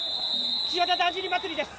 岸和田だんじり祭です。